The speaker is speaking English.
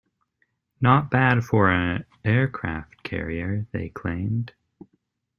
"Not bad for a aircraft carrier", they claimed.